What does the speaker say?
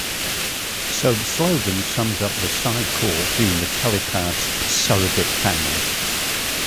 So the slogan sums up the Psi Corps being the telepath's surrogate family.